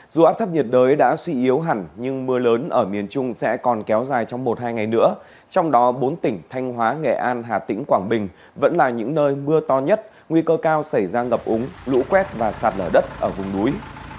dù áp thấp nhiệt đới đã suy yếu hẳn nhưng mưa lớn ở miền trung sẽ còn kéo dài trong một hai ngày nữa trong đó bốn tỉnh thanh hóa nghệ an hà tĩnh quảng bình vẫn là những nơi mưa to nhất nguy cơ cao xảy ra ngập úng lũ quét và sạt lở đất ở vùng núi